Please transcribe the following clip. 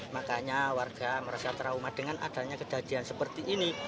makanya warga merasa trauma dengan adanya kejadian seperti ini